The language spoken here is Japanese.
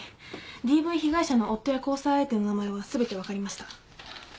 ＤＶ被害者の夫や交際相手の名前は全て分かりました。